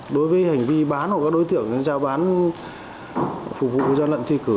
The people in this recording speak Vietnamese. đối với hành vi bán của các đối tiện giao bán phục vụ gia lận thi cử